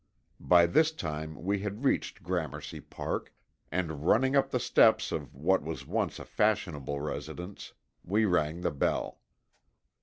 By this time we had reached Gramercy Park, and running up the steps of what was once a fashionable residence, we rang the bell.